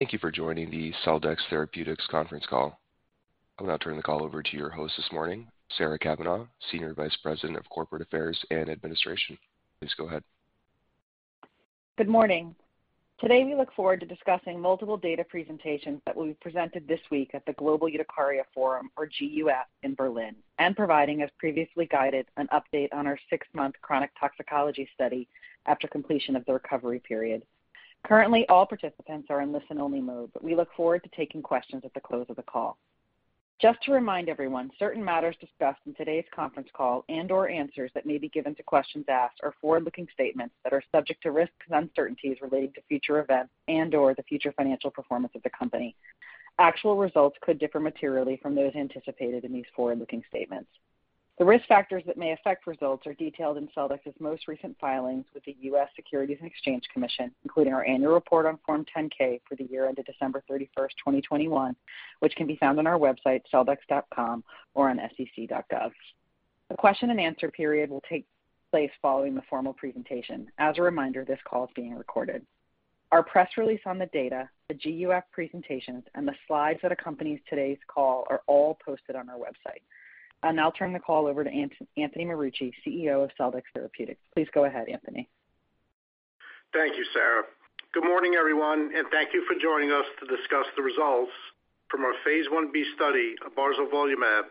Thank you for joining the Celldex Therapeutics conference call. I'll now turn the call over to your host this morning, Sarah Cavanaugh, Senior Vice President of Corporate Affairs and Administration. Please go ahead. Good morning. Today, we look forward to discussing multiple data presentations that will be presented this week at the Global Urticaria Forum, or GUF, in Berlin, and providing, as previously guided, an update on our six-month chronic toxicology study after completion of the recovery period. Currently, all participants are in listen-only mode, but we look forward to taking questions at the close of the call. Just to remind everyone, certain matters discussed in today's conference call and/or answers that may be given to questions asked are forward-looking statements that are subject to risks and uncertainties related to future events and/or the future financial performance of the company. Actual results could differ materially from those anticipated in these forward-looking statements. The risk factors that may affect results are detailed in Celldex's most recent filings with the U.S. Securities and Exchange Commission, including our annual report on Form 10-K for the year ended December 31st, 2021, which can be found on our website, celldex.com, or on sec.gov. The question and answer period will take place following the formal presentation. As a reminder, this call is being recorded. Our press release on the data, the GUF presentations, and the slides that accompanies today's call are all posted on our website. I'll now turn the call over to Anthony Marucci, CEO of Celldex Therapeutics. Please go ahead, Anthony. Thank you, Sarah. Good morning, everyone, thank you for joining us to discuss the results from our phase Ib study of barzolvolimab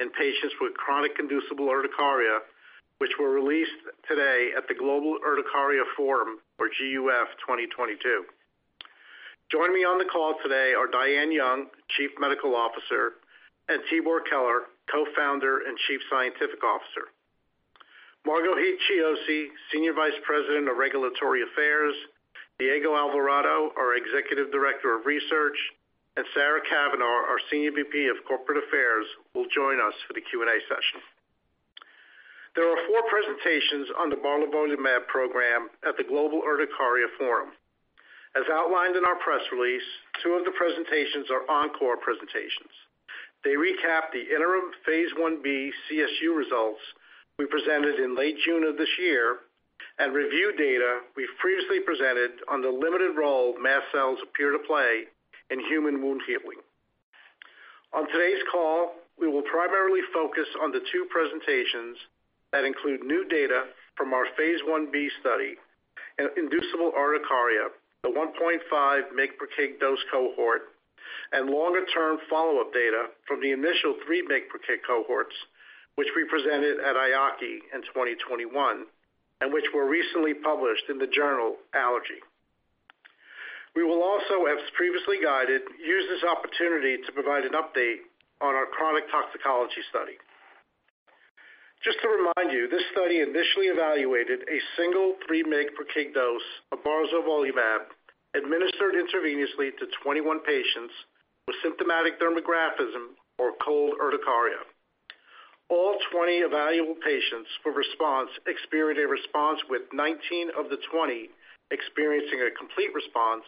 in patients with chronic inducible urticaria, which were released today at the Global Urticaria Forum, or GUF 2022. Joining me on the call today are Diane Young, Chief Medical Officer, and Tibor Keler, Co-Founder and Chief Scientific Officer. Margo Heath-Chiozzi, Senior Vice President of Regulatory Affairs, Diego Alvarado, our Executive Director of Research, and Sarah Cavanaugh, our Senior VP of Corporate Affairs, will join us for the Q&A session. There are four presentations on the barzolvolimab program at the Global Urticaria Forum. As outlined in our press release, two of the presentations are encore presentations. They recap the interim phase Ib CSU results we presented in late June of this year and review data we've previously presented on the limited role mast cells appear to play in human wound healing. On today's call, we will primarily focus on the two presentations that include new data from our phase Ib study in inducible urticaria, the 1.5 mg/kg dose cohort, and longer-term follow-up data from the initial 3 mg/kg cohorts, which we presented at EAACI in 2021, and which were recently published in the journal Allergy. Just to remind you, this study initially evaluated a single 3 mg/kg dose of barzolvolimab administered intravenously to 21 patients with symptomatic dermographism or cold urticaria. All 20 evaluable patients for response experienced a response with 19 of the 20 experiencing a complete response,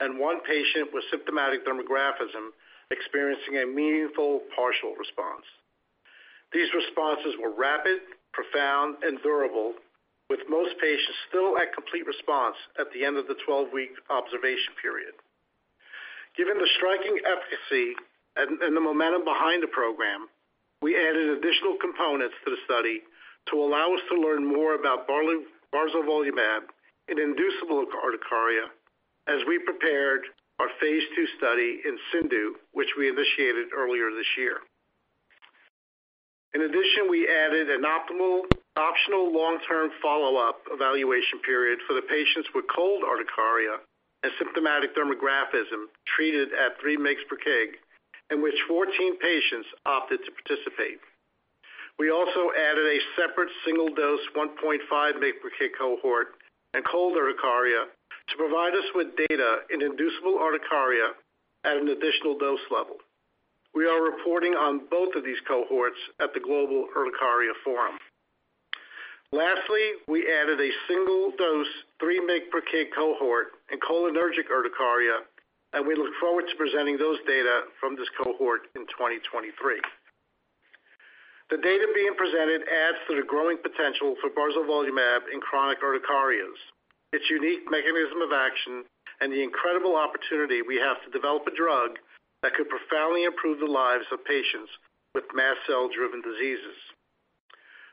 and one patient with symptomatic dermographism experiencing a meaningful partial response. These responses were rapid, profound, and durable, with most patients still at complete response at the end of the 12-week observation period. Given the striking efficacy and the momentum behind the program, we added additional components to the study to allow us to learn more about barzolvolimab in inducible urticaria as we prepared our phase II study in CIndU, which we initiated earlier this year. In addition, we added an optional long-term follow-up evaluation period for the patients with cold urticaria and symptomatic dermographism treated at 3 mg/kg, in which 14 patients opted to participate. We also added a separate single-dose 1.5 mg/kg cohort in cold urticaria to provide us with data in inducible urticaria at an additional dose level. We are reporting on both of these cohorts at the Global Urticaria Forum. We added a single-dose 3 mg/kg cohort in cholinergic urticaria, and we look forward to presenting those data from this cohort in 2023. The data being presented adds to the growing potential for barzolvolimab in chronic urticarias, its unique mechanism of action, and the incredible opportunity we have to develop a drug that could profoundly improve the lives of patients with mast cell-driven diseases.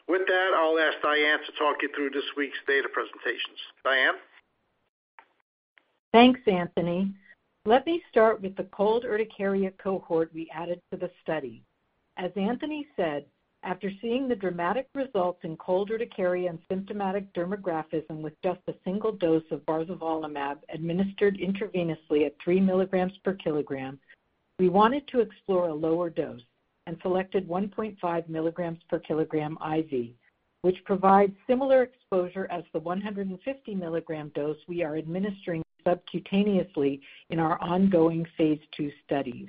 With that, I'll ask Diane to talk you through this week's data presentations. Diane? Thanks, Anthony. Let me start with the cold urticaria cohort we added to the study. As Anthony said, after seeing the dramatic results in cold urticaria and symptomatic dermographism with just a single dose of barzolvolimab administered intravenously at 3 mg per kg, we wanted to explore a lower dose and selected 1.5 mg per kg IV, which provides similar exposure as the 150-mg dose we are administering subcutaneously in our ongoing phase II studies.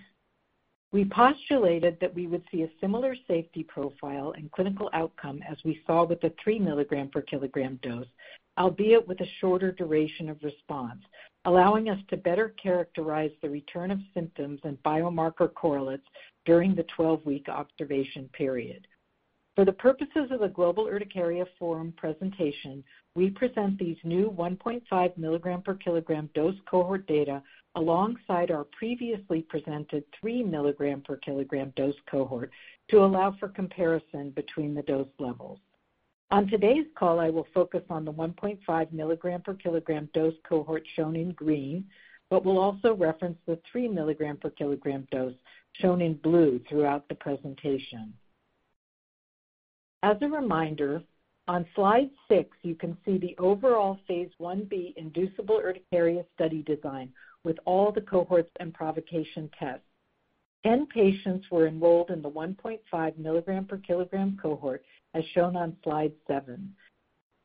We postulated that we would see a similar safety profile and clinical outcome as we saw with the 3-mg per kg dose, albeit with a shorter duration of response, allowing us to better characterize the return of symptoms and biomarker correlates during the 12-week observation period. For the purposes of the Global Urticaria Forum presentation, we present these new 1.5 mg per kg dose cohort data alongside our previously presented 3 mg per kg dose cohort to allow for comparison between the dose levels. On today's call, I will focus on the 1.5 mg per kg dose cohort shown in green, but will also reference the 3 mg per kg dose shown in blue throughout the presentation. As a reminder, on slide six you can see the overall phase Ib inducible urticaria study design with all the cohorts and provocation tests. 10 patients were enrolled in the 1.5 mg per kg cohort, as shown on slide seven.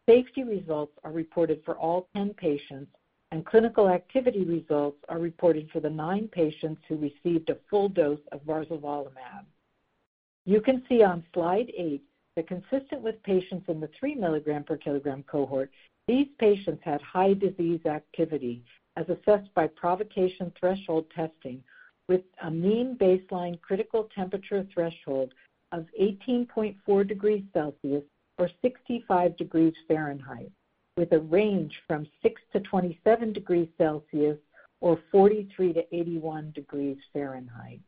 Safety results are reported for all 10 patients, and clinical activity results are reported for the 9 patients who received a full dose of barzolvolimab. You can see on slide eight that consistent with patients in the 3 mg per kg cohort, these patients had high disease activity as assessed by provocation threshold testing with a mean baseline critical temperature threshold of 18.4 degrees Celsius or 65 degrees Fahrenheit, with a range from 6-27 degrees Celsius or 43-81 degrees Fahrenheit.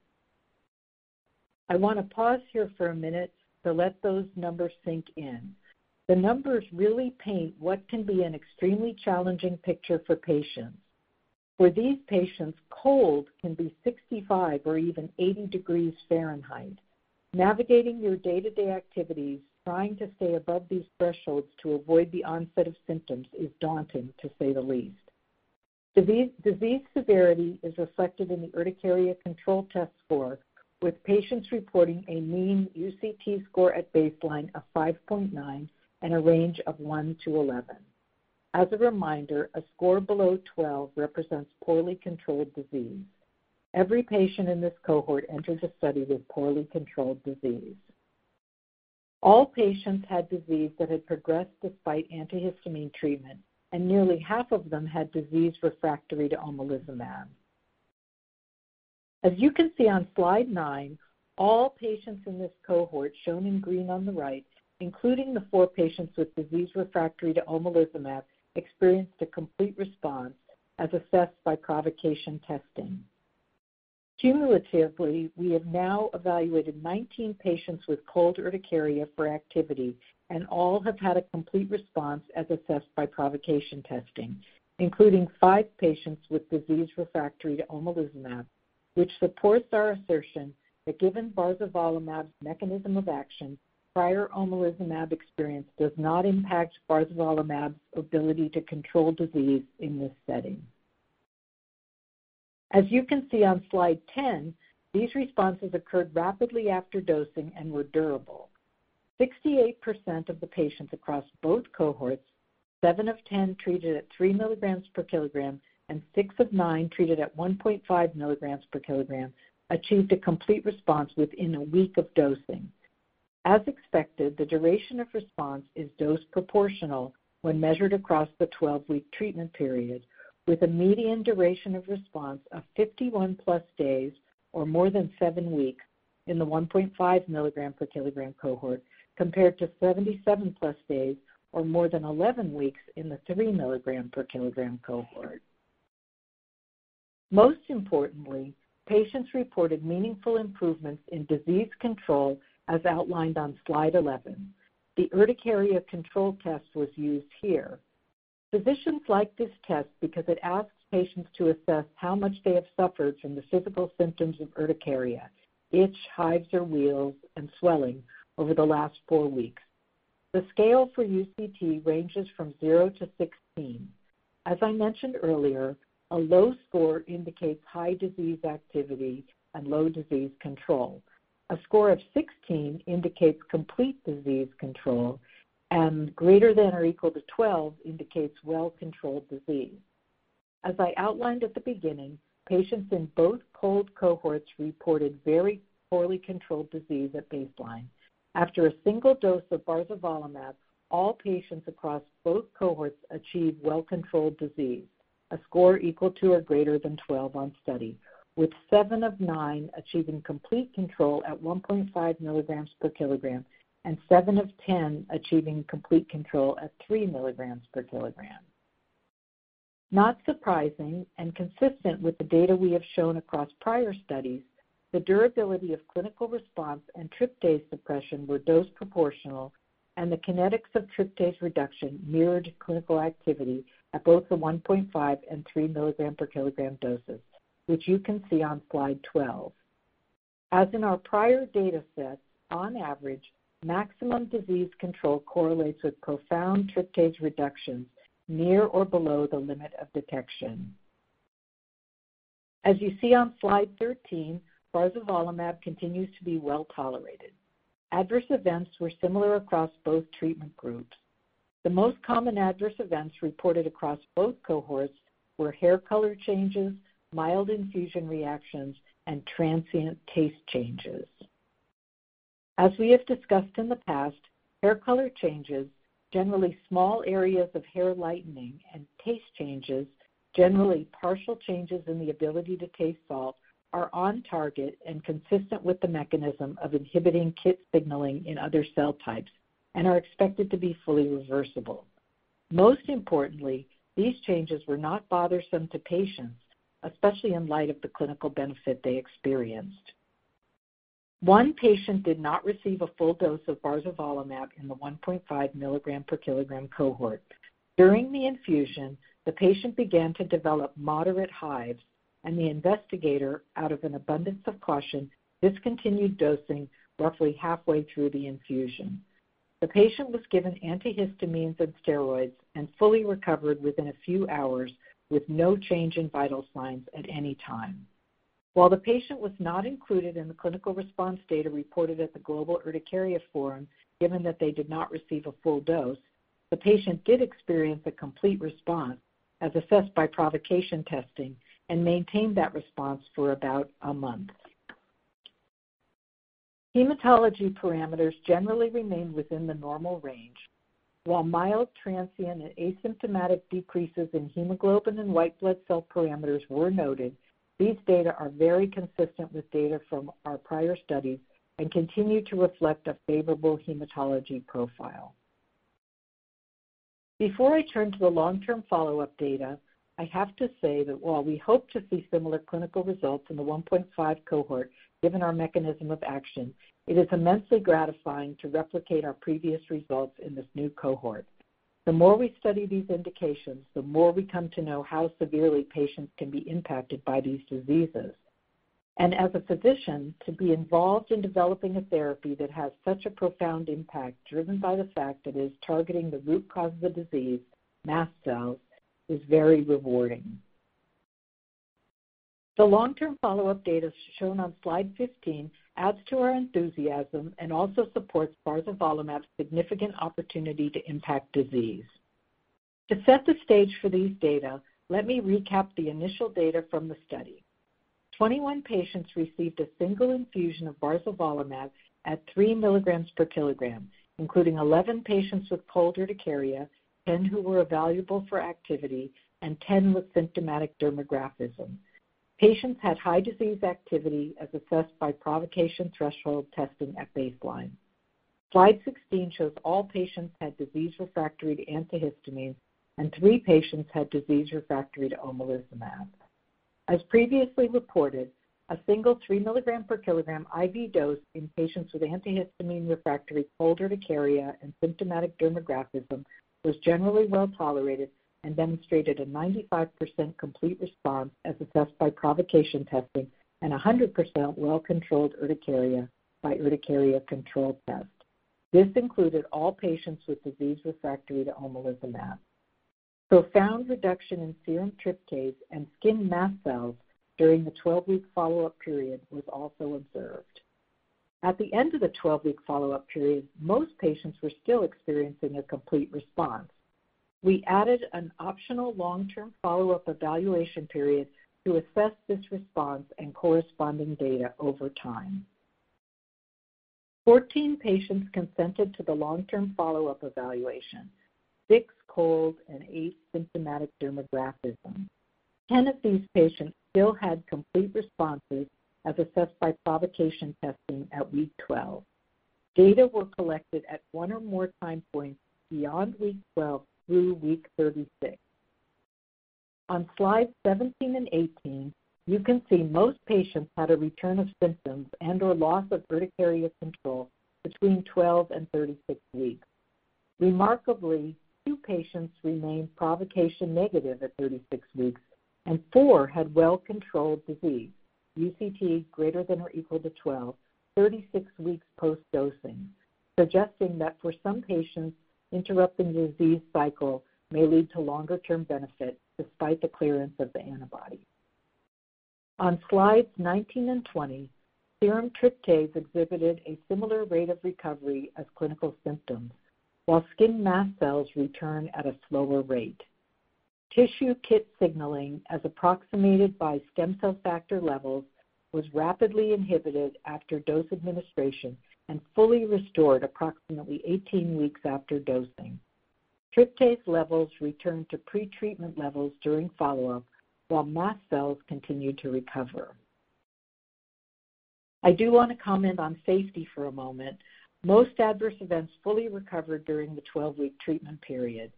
I want to pause here for a minute to let those numbers sink in. The numbers really paint what can be an extremely challenging picture for patients. For these patients, cold can be 65 or even 80 degrees Fahrenheit. Navigating your day-to-day activities, trying to stay above these thresholds to avoid the onset of symptoms is daunting, to say the least. Disease severity is reflected in the Urticaria Control Test score, with patients reporting a mean UCT score at baseline of 5.9 and a range of 1-11. As a reminder, a score below 12 represents poorly controlled disease. Every patient in this cohort enters a study with poorly controlled disease. All patients had disease that had progressed despite antihistamine treatment, and nearly half of them had disease refractory to omalizumab. As you can see on slide 9, all patients in this cohort, shown in green on the right, including the four patients with disease refractory to omalizumab, experienced a complete response as assessed by provocation testing. Cumulatively, we have now evaluated 19 patients with cold urticaria for activity and all have had a complete response as assessed by provocation testing, including five patients with disease refractory to omalizumab, which supports our assertion that given barzolvolimab's mechanism of action, prior omalizumab experience does not impact barzolvolimab's ability to control disease in this setting. As you can see on slide 10, these responses occurred rapidly after dosing and were durable. 68% of the patients across both cohorts, seven of ten treated at 3 mgs per kg and 6 of 9 treated at 1.5 mgs per kg, achieved a complete response within a week of dosing. As expected, the duration of response is dose proportional when measured across the 12-week treatment period with a median duration of response of 51+ days, or more than seven weeks in the 1.5 mg per kg cohort, compared to 77+ days or more than 11 weeks in the 3 mg per kg cohort. Most importantly, patients reported meaningful improvements in disease control as outlined on slide 11. The Urticaria Control Test was used here. Physicians like this test because it asks patients to assess how much they have suffered from the physical symptoms of urticaria, itch, hives or wheels, and swelling over the last 4 weeks. The scale for UCT ranges from 0 to 16. As I mentioned earlier, a low score indicates high disease activity and low disease control. A score of 16 indicates complete disease control. Greater than or equal to 12 indicates well-controlled disease. As I outlined at the beginning, patients in both cold cohorts reported very poorly controlled disease at baseline. After a single dose of barzolvolimab, all patients across both cohorts achieved well-controlled disease. A score equal to or greater than 12 on study, with seven of nine achieving complete control at 1.5 mgs per kg and 7 of 10 achieving complete control at 3 mgs per kg. Not surprising and consistent with the data we have shown across prior studies, the durability of clinical response and tryptase suppression were dose proportional and the kinetics of tryptase reduction mirrored clinical activity at both the 1.5 and 3 mg per kg doses, which you can see on slide 12. As in our prior data set, on average, maximum disease control correlates with profound tryptase reductions near or below the limit of detection. As you see on slide 13, barzolvolimab continues to be well-tolerated. Adverse events were similar across both treatment groups. The most common adverse events reported across both cohorts were hair color changes, mild infusion reactions, and transient taste changes. As we have discussed in the past. Hair color changes, generally small areas of hair lightening and taste changes, generally partial changes in the ability to taste salt, are on target and consistent with the mechanism of inhibiting KIT signaling in other cell types and are expected to be fully reversible. Most importantly, these changes were not bothersome to patients, especially in light of the clinical benefit they experienced. One patient did not receive a full dose of barzolvolimab in the 1.5 mg/kg cohort. During the infusion, the patient began to develop moderate hives, and the investigator, out of an abundance of caution, discontinued dosing roughly halfway through the infusion. The patient was given antihistamines and steroids and fully recovered within a few hours, with no change in vital signs at any time. While the patient was not included in the clinical response data reported at the Global Urticaria Forum, given that they did not receive a full dose, the patient did experience a complete response as assessed by provocation testing and maintained that response for about a month. Hematology parameters generally remained within the normal range. While mild, transient, and asymptomatic decreases in hemoglobin and white blood cell parameters were noted, these data are very consistent with data from our prior studies and continue to reflect a favorable hematology profile. Before I turn to the long-term follow-up data, I have to say that while we hope to see similar clinical results in the 1.5 cohort, given our mechanism of action, it is immensely gratifying to replicate our previous results in this new cohort. The more we study these indications, the more we come to know how severely patients can be impacted by these diseases. As a physician, to be involved in developing a therapy that has such a profound impact, driven by the fact that it is targeting the root cause of the disease, mast cells, is very rewarding. The long-term follow-up data shown on slide 15 adds to our enthusiasm and also supports barzolvolimab's significant opportunity to impact disease. To set the stage for these data, let me recap the initial data from the study. 21 patients received a single infusion of barzolvolimab at 3 mgs per kg, including 11 patients with cold urticaria, 10 who were evaluable for activity, and 10 with symptomatic dermographism. Patients had high disease activity as assessed by provocation threshold testing at baseline. Slide 16 shows all patients had disease refractory to antihistamines, and 3 patients had disease refractory to omalizumab. As previously reported, a single 3-mg per kg IV dose in patients with antihistamine-refractory cold urticaria and symptomatic dermographism was generally well-tolerated and demonstrated a 95% complete response as assessed by provocation testing and 100% well-controlled urticaria by Urticaria Control Test. This included all patients with disease refractory to omalizumab. Profound reduction in serum tryptase and skin mast cells during the 12-week follow-up period was also observed. At the end of the 12-week follow-up period, most patients were still experiencing a complete response. We added an optional long-term follow-up evaluation period to assess this response and corresponding data over time. 14 patients consented to the long-term follow-up evaluation, six cold and eight symptomatic dermographism. 10 of these patients still had complete responses as assessed by provocation testing at week 12. Data were collected at one or more time points beyond week 12 through week 36. On slide 17 and 18, you can see most patients had a return of symptoms and/or loss of urticaria control between 12 and 36 weeks. Remarkably, two patients remained provocation negative at 36 weeks, and four had well-controlled disease, UCT greater than or equal to 12, 36 weeks post-dosing, suggesting that for some patients, interrupting the disease cycle may lead to longer-term benefit despite the clearance of the antibody. On slides 19 and 20, serum tryptase exhibited a similar rate of recovery as clinical symptoms while skin mast cells return at a slower rate. Tissue KIT signaling, as approximated by stem cell factor levels, was rapidly inhibited after dose administration and fully restored approximately 18 weeks after dosing. Tryptase levels returned to pretreatment levels during follow-up while mast cells continued to recover. I do want to comment on safety for a moment. Most adverse events fully recovered during the 12-week treatment period.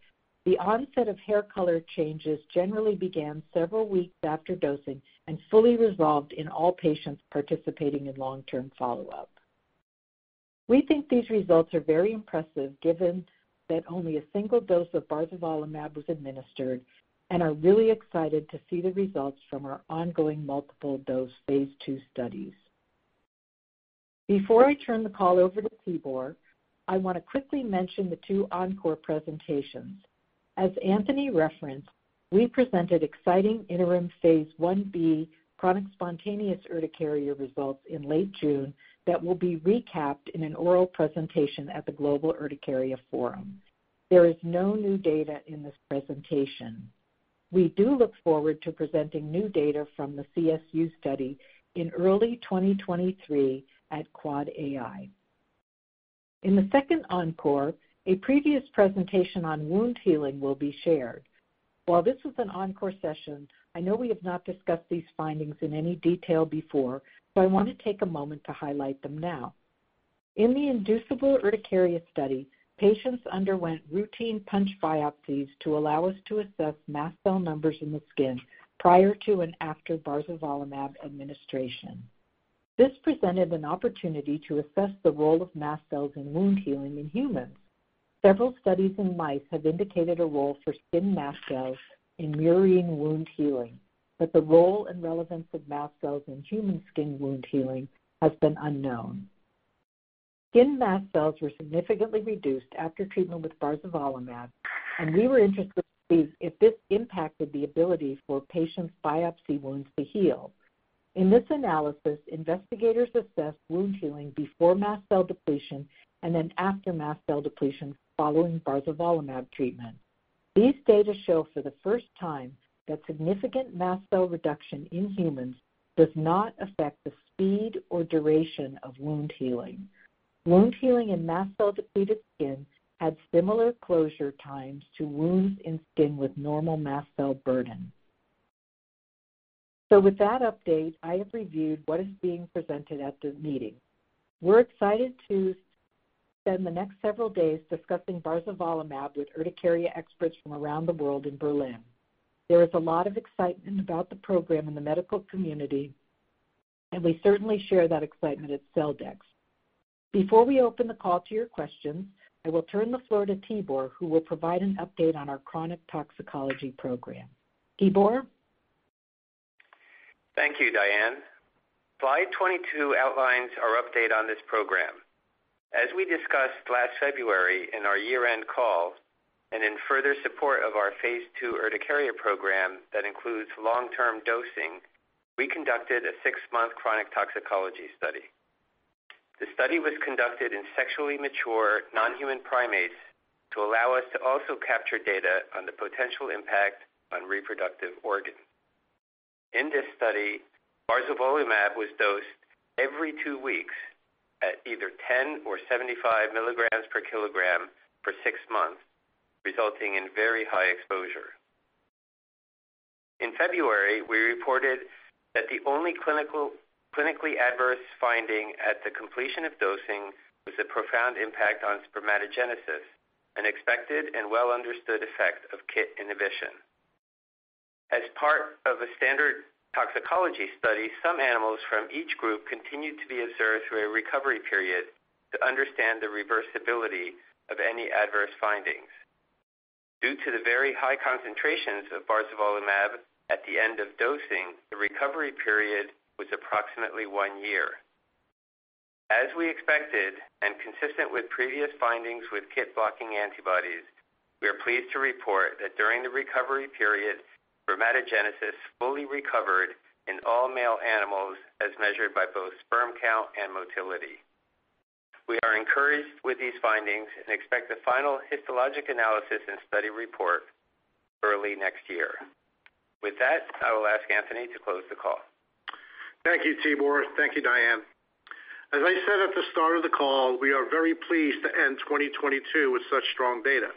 The onset of hair color changes generally began several weeks after dosing and fully resolved in all patients participating in long-term follow-up. We think these results are very impressive given that only a single dose of barzolvolimab was administered and are really excited to see the results from our ongoing multiple-dose phase II studies. Before I turn the call over to Tibor, I want to quickly mention the two ENCORE presentations. As Anthony referenced, we presented exciting interim phase Ib chronic spontaneous urticaria results in late June that will be recapped in an oral presentation at the Global Urticaria Forum. There is no new data in this presentation. We do look forward to presenting new data from the CSU study in early 2023 at QuadAI. In the second Encore, a previous presentation on wound healing will be shared. While this is an Encore session, I know we have not discussed these findings in any detail before, I want to take a moment to highlight them now. In the inducible urticaria study, patients underwent routine punch biopsies to allow us to assess mast cell numbers in the skin prior to and after barzolvolimab administration. This presented an opportunity to assess the role of mast cells in wound healing in humans. Several studies in mice have indicated a role for skin mast cells in mirroring wound healing, but the role and relevance of mast cells in human skin wound healing has been unknown. Skin mast cells were significantly reduced after treatment with barzolvolimab, and we were interested to see if this impacted the ability for patients' biopsy wounds to heal. In this analysis, investigators assessed wound healing before mast cell depletion and then after mast cell depletion following barzolvolimab treatment. These data show for the first time that significant mast cell reduction in humans does not affect the speed or duration of wound healing. Wound healing in mast cell-depleted skin had similar closure times to wounds in skin with normal mast cell burden. With that update, I have reviewed what is being presented at this meeting. We're excited to spend the next several days discussing barzolvolimab with urticaria experts from around the world in Berlin. There is a lot of excitement about the program in the medical community, and we certainly share that excitement at Celldex. Before we open the call to your questions, I will turn the floor to Tibor, who will provide an update on our chronic toxicology program. Tibor? Thank you, Diane. Slide 22 outlines our update on this program. As we discussed last February in our year-end call and in further support of our phase II urticaria program that includes long-term dosing, we conducted a six-month chronic toxicology study. The study was conducted in sexually mature non-human primates to allow us to also capture data on the potential impact on reproductive organs. In this study, barzolvolimab was dosed every two weeks at either 10 or 75 mgs per kg for six months, resulting in very high exposure. In February, we reported that the only clinically adverse finding at the completion of dosing was a profound impact on spermatogenesis, an expected and well-understood effect of KIT inhibition. As part of a standard toxicology study, some animals from each group continued to be observed through a recovery period to understand the reversibility of any adverse findings. Due to the very high concentrations of barzolvolimab at the end of dosing, the recovery period was approximately one year. As we expected, and consistent with previous findings with KIT-blocking antibodies, we are pleased to report that during the recovery period, spermatogenesis fully recovered in all male animals, as measured by both sperm count and motility. We are encouraged with these findings and expect the final histologic analysis and study report early next year. With that, I will ask Anthony to close the call. Thank you, Tibor. Thank you, Diane. As I said at the start of the call, we are very pleased to end 2022 with such strong data.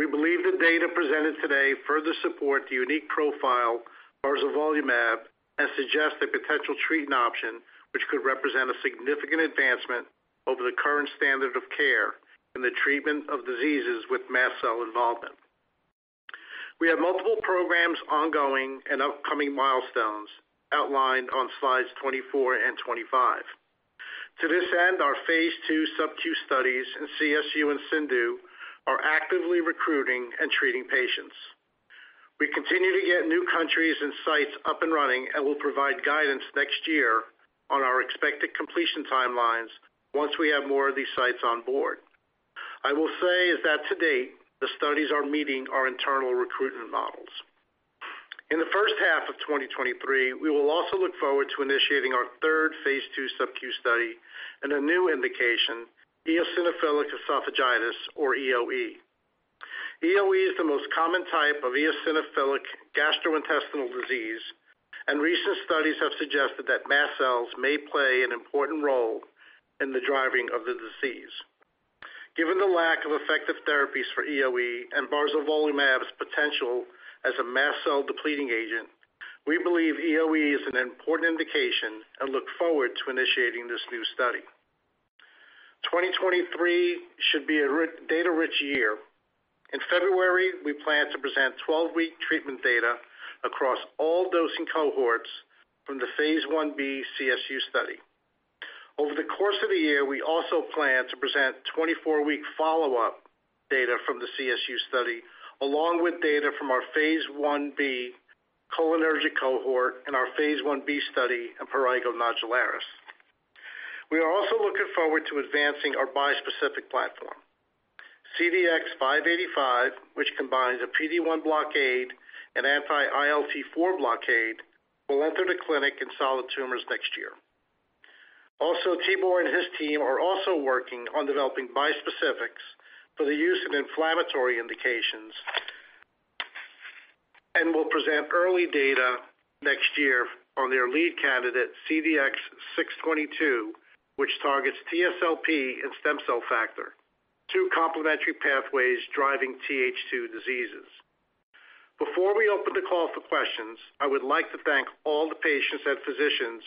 We believe the data presented today further support the unique profile of barzolvolimab and suggest a potential treatment option which could represent a significant advancement over the current standard of care in the treatment of diseases with mast cell involvement. We have multiple programs ongoing. Upcoming milestones outlined on slides 24 and 25. To this end, our phase II SubQ studies in CSU and CIndU are actively recruiting and treating patients. We continue to get new countries and sites up and running and will provide guidance next year on our expected completion timelines once we have more of these sites on board. I will say is that to date, the studies are meeting our internal recruitment models. In the first half of 2023, we will also look forward to initiating our third phase II SubQ study in a new indication, eosinophilic esophagitis, or EoE. EoE is the most common type of eosinophilic gastrointestinal disease, recent studies have suggested that mast cells may play an important role in the driving of the disease. Given the lack of effective therapies for EoE and barzolvolimab's potential as a mast cell-depleting agent, we believe EoE is an important indication and look forward to initiating this new study. 2023 should be a data-rich year. In February, we plan to present 12-week treatment data across all dosing cohorts from the phase Ib CSU study. Over the course of the year, we also plan to present 24-week follow-up data from the CSU study, along with data from our phase Ib cholinergic cohort and our phase Ib study in Prurigo Nodularis. We are also looking forward to advancing our bispecific platform. CDX-585, which combines a PD-1 blockade and anti-ILT4 blockade, will enter the clinic in solid tumors next year. Tibor and his team are also working on developing bi-specifics for the use of inflammatory indications and will present early data next year on their lead candidate, CDX-622, which targets TSLP and stem cell factor, two complementary pathways driving TH2 diseases. Before we open the call for questions, I would like to thank all the patients and physicians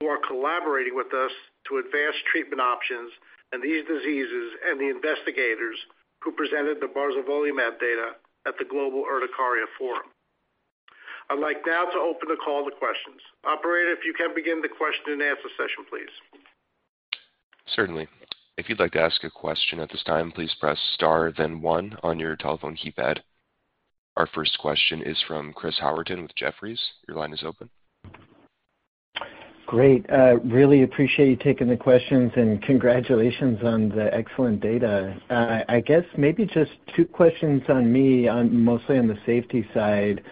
who are collaborating with us to advance treatment options and these diseases, and the investigators who presented the barzolvolimab data at the Global Urticaria Forum. I'd like now to open the call to questions. Operator, if you can begin the question and answer session, please. Certainly. If you'd like to ask a question at this time, please press star then one on your telephone keypad. Our first question is from Chris Howerton with Jefferies. Your line is open. Great. Really appreciate you taking the questions and congratulations on the excellent data. I guess maybe just two questions mostly on the safety side.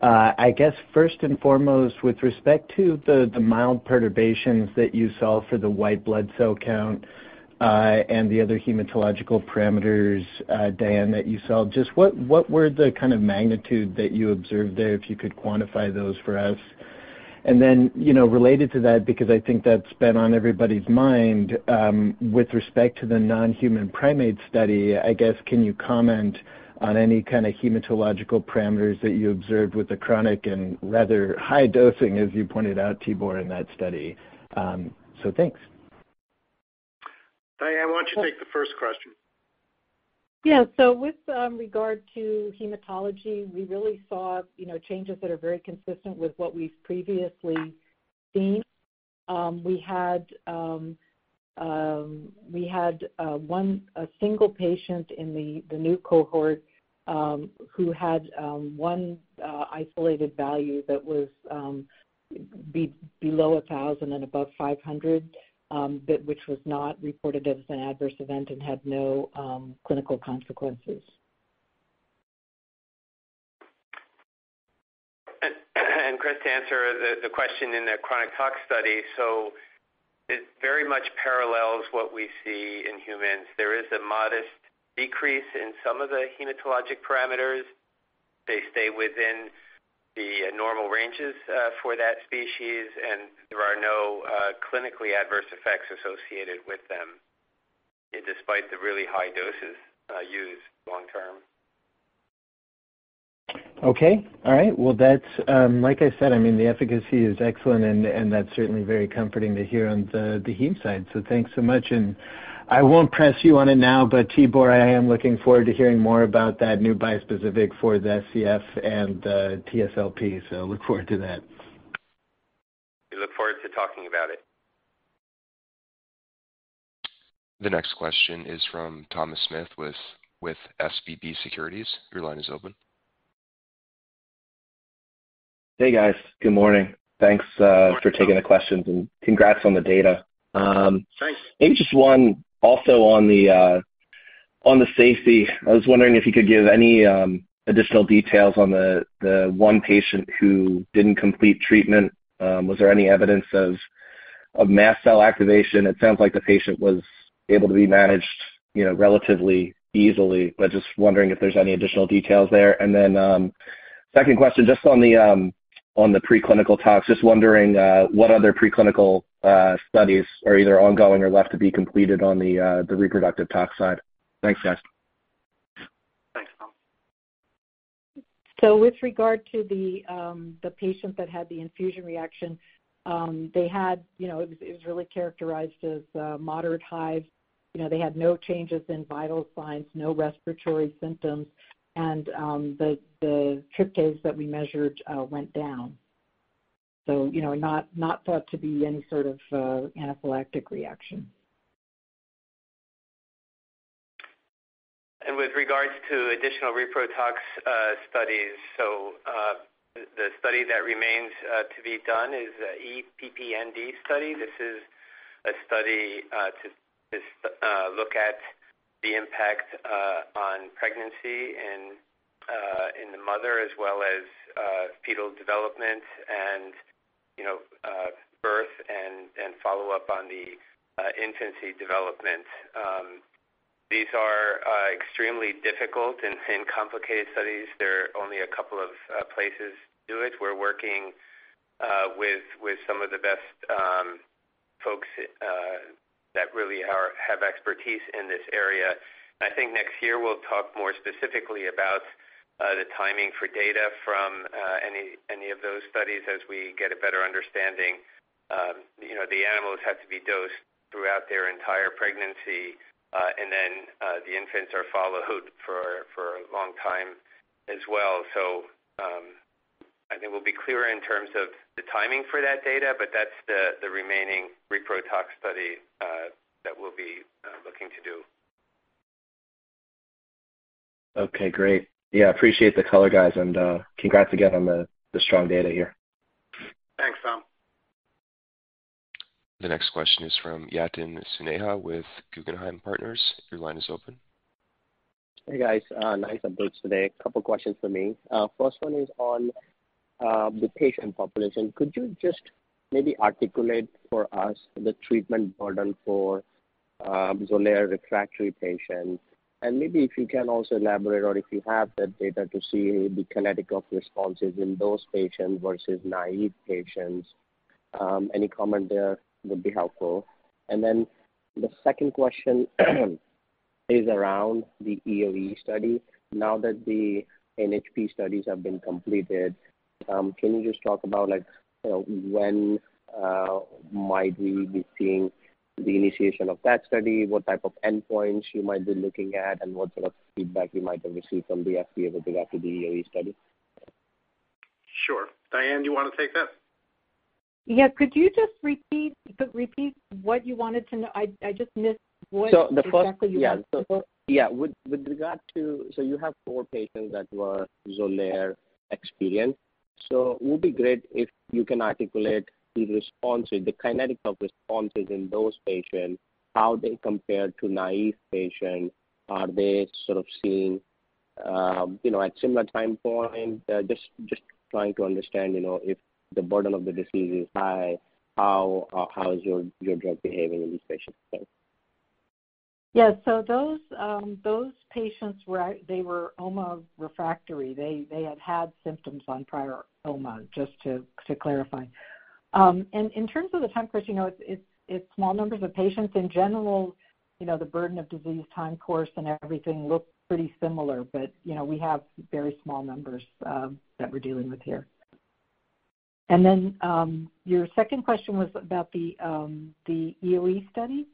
I guess first and foremost, with respect to the mild perturbations that you saw for the white blood cell count, and the other hematological parameters, Diane, that you saw, just what were the kind of magnitude that you observed there, if you could quantify those for us? You know, related to that, because I think that's been on everybody's mind, with respect to the non-human primate study, I guess, can you comment on any kind of hematological parameters that you observed with the chronic and rather high dosing, as you pointed out, Tibor, in that study? Thanks. Diane, why don't you take the first question? Yeah. With, regard to hematology, we really saw, you know, changes that are very consistent with what we've previously seen. We had one, a single patient in the new cohort, who had one, isolated value that was below 1,000 and above 500, but which was not reported as an adverse event and had no clinical consequences. Chris, to answer the question in the chronic tox study. It very much parallels what we see in humans. There is a modest decrease in some of the hematologic parameters. They stay within the normal ranges for that species, and there are no clinically adverse effects associated with them despite the really high doses used long term. Okay. All right. Well, that's... Like I said, I mean, the efficacy is excellent, and that's certainly very comforting to hear on the heme side. Thanks so much. I won't press you on it now, but Tibor, I am looking forward to hearing more about that new bispecific for the SCF and the TSLP. Look forward to that. We look forward to talking about it. The next question is from Thomas Smith with SVB Securities. Your line is open. Hey, guys. Good morning. Thanks. Good morning, Tom. -for taking the questions and congrats on the data. Thanks. Maybe just one also on the safety. I was wondering if you could give any additional details on the one patient who didn't complete treatment. Was there any evidence of mast cell activation? It sounds like the patient was able to be managed, you know, relatively easily. Just wondering if there's any additional details there. Second question, just on the preclinical tox. Just wondering what other preclinical studies are either ongoing or left to be completed on the reproductive tox side. Thanks, guys. Thanks, Tom. With regard to the patient that had the infusion reaction, they had, you know, it was, it was really characterized as moderate hives. You know, they had no changes in vital signs, no respiratory symptoms, and the tryptase that we measured went down. You know, not thought to be any sort of anaphylactic reaction. With regards to additional repro tox studies. The study that remains to be done is EPPND study. This is a study to look at the impact on pregnancy in the mother, as well as fetal development and, you know, birth and follow-up on the infancy development. These are extremely difficult and complicated studies. There are only a couple of places do it. We're working with some of the best folks that really are, have expertise in this area. I think next year we'll talk more specifically about the timing for data from any of those studies as we get a better understanding. You know, the animals have to be dosed throughout their entire pregnancy, and then, the infants are followed for a long time as well. I think we'll be clearer in terms of the timing for that data, but that's the remaining repro tox study that we'll be looking to do. Okay. Great. Yeah, appreciate the color, guys, and congrats again on the strong data here. Thanks, Tom. The next question is from Yatin Suneja with Guggenheim Partners. Your line is open. Hey guys, nice updates today. A couple questions for me. First one is on the patient population. Could you just maybe articulate for us the treatment burden for Xolair refractory patients? Maybe if you can also elaborate or if you have that data to see the kinetic of responses in those patients versus naive patients. Any comment there would be helpful. The second question is around the EoE study. Now that the NHP studies have been completed, can you just talk about like, you know, when might we be seeing the initiation of that study? What type of endpoints you might be looking at and what sort of feedback you might have received from the FDA with regard to the EoE study? Sure. Diane, do you want to take this? Yes. Could you just repeat what you wanted to know? I just missed what exactly you wanted before. The first... Yeah. Yeah. With regard to... You have four patients that were Xolair experienced. It would be great if you can articulate the response with the kinetic of responses in those patients, how they compare to naive patients. Are they sort of seeing, you know, at similar time point? Just trying to understand, you know, if the burden of the disease is high, how is your drug behaving in these patients. Yeah. Those patients they were OMA refractory. They had symptoms on prior OMA, just to clarify. In terms of the time course, you know, it's small numbers of patients. In general, you know, the burden of disease time course and everything looks pretty similar. You know, we have very small numbers that we're dealing with here. Your second question was about the EoE study.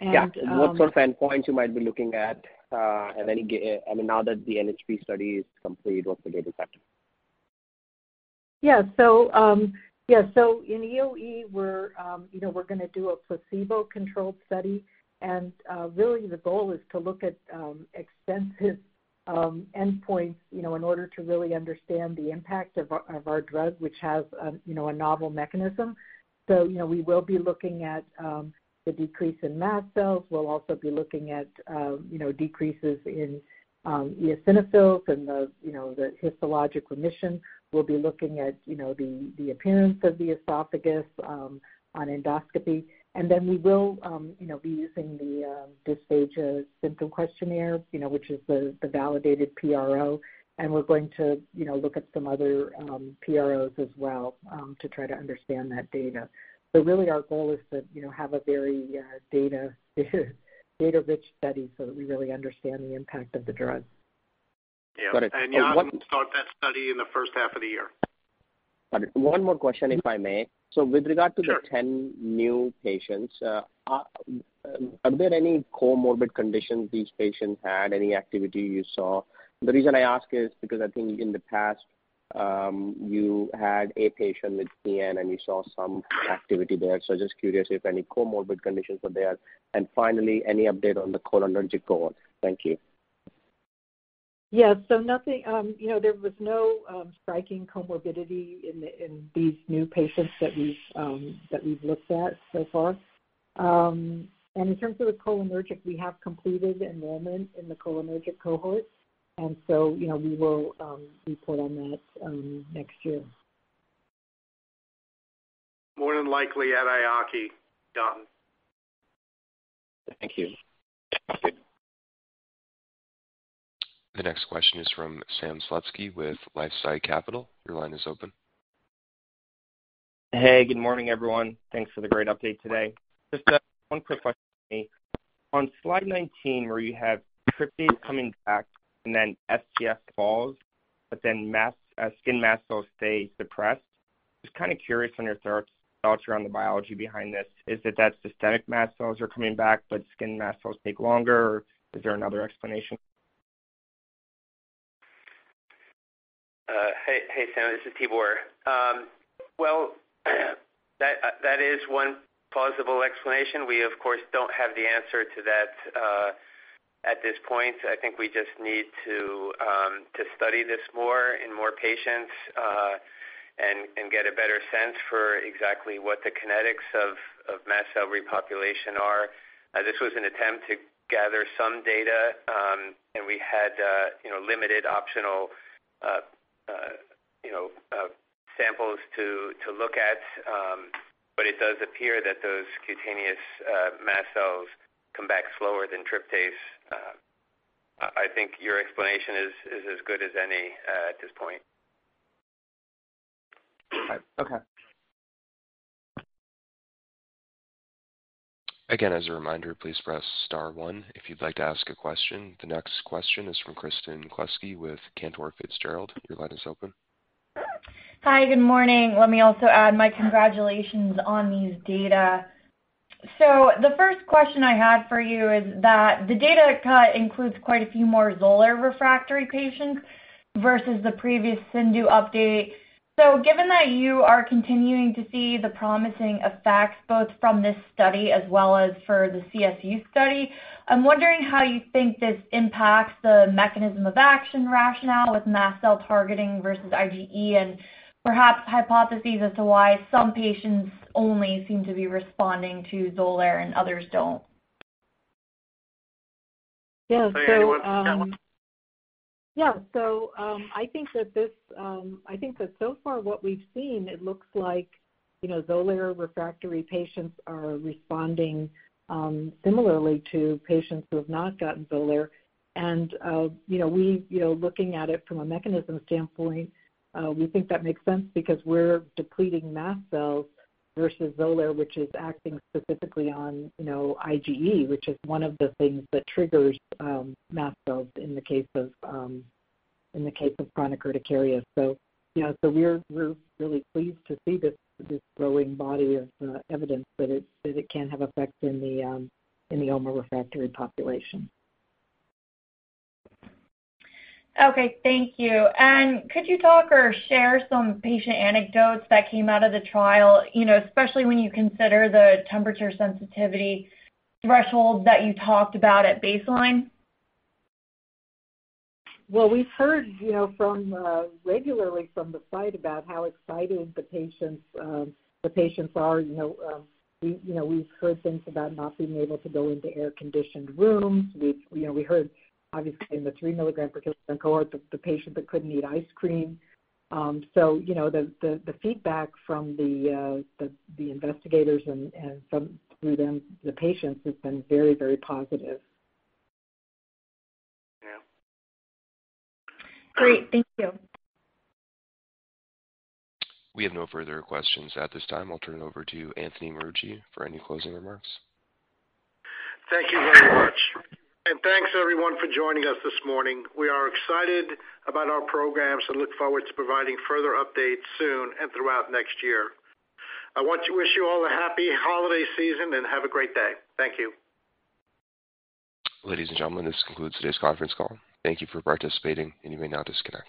Yeah. What sort of endpoints you might be looking at, I mean, now that the NHP study is complete, what's the data set? Yeah. So, yeah. In EoE, we're, you know, we're gonna do a placebo-controlled study. Really the goal is to look at extensive endpoints, you know, in order to really understand the impact of our, of our drug, which has a, you know, a novel mechanism. You know, we will be looking at the decrease in mast cells. We'll also be looking at, you know, decreases in eosinophils and the, you know, the histologic remission. We'll be looking at, you know, the appearance of the esophagus on endoscopy. Then we will, you know, be using the Dysphagia Symptom Questionnaire, you know, which is the validated PRO. We're going to, you know, look at some other PROs as well to try to understand that data. Really our goal is to, you know, have a very, data-rich study so that we really understand the impact of the drug. Yeah. Got it. Start that study in the first half of the year. Got it. One more question, if I may. Sure. With regard to the 10 new patients, are there any comorbid conditions these patients had? Any activity you saw? The reason I ask is because I think in the past, you had a patient with EN and you saw some activity there. Just curious if any comorbid conditions are there. Finally, any update on the cholinergic cohort? Thank you. Yeah. Nothing. You know, there was no striking comorbidity in these new patients that we've looked at so far. In terms of the cholinergic, we have completed enrollment in the cholinergic cohort, you know, we will report on that next year. More than likely at EAACI, Duncan. Thank you. Thank you. The next question is from Sam Slutsky with LifeSci Capital. Your line is open. Hey. Good morning, everyone. Thanks for the great update today. Just one quick question for me. On slide 19, where you have tryptase coming back and then SCF falls, but then skin mast cells stay suppressed. Just kinda curious on your thoughts around the biology behind this. Is it that systemic mast cells are coming back, but skin mast cells take longer? Is there another explanation? Hey, hey, Sam. This is Tibor. Well, that is one plausible explanation. We of course, don't have the answer to that at this point. I think we just need to study this more in more patients and get a better sense for exactly what the kinetics of mast cell repopulation are. This was an attempt to gather some data, and we had, you know, limited optional, you know, samples to look at. It does appear that those cutaneous mast cells come back slower than tryptase. I think your explanation is as good as any at this point. All right. Okay. As a reminder, please press star one if you'd like to ask a question. The next question is from Kristen Kluska with Cantor Fitzgerald. Your line is open. Hi. Good morning. Let me also add my congratulations on these data. The first question I had for you is that the data cut includes quite a few more Xolair refractory patients versus the previous CIndU update. Given that you are continuing to see the promising effects both from this study as well as for the CSU study, I'm wondering how you think this impacts the mechanism of action rationale with mast cell targeting versus IgE, and perhaps hypotheses as to why some patients only seem to be responding to Xolair and others don't. Yeah. I think that this, I think that so far what we've seen, it looks like, you know, Xolair refractory patients are responding similarly to patients who have not gotten Xolair. You know, we looking at it from a mechanism standpoint, we think that makes sense because we're depleting mast cells versus Xolair, which is acting specifically on, you know, IgE, which is one of the things that triggers mast cells in the case of, in the case of chronic urticaria. You know, so we're really pleased to see this growing body of evidence that it can have effects in the omalizumab refractory population. Okay. Thank you. Could you talk or share some patient anecdotes that came out of the trial, you know, especially when you consider the temperature sensitivity threshold that you talked about at baseline? We've heard, you know, from regularly from the site about how excited the patients are. You know, we, you know, we've heard things about not being able to go into air-conditioned rooms. We've, you know, we heard obviously in the 3 mg per kg cohort, the patient that couldn't eat ice cream. You know, the feedback from the investigators and some through them, the patients has been very, very positive. Great. Thank you. We have no further questions at this time. I'll turn it over to Anthony Marucci for any closing remarks. Thank you very much. Thanks everyone for joining us this morning. We are excited about our programs and look forward to providing further updates soon and throughout next year. I want to wish you all a happy holiday season and have a great day. Thank you. Ladies and gentlemen, this concludes today's conference call. Thank you for participating and you may now disconnect.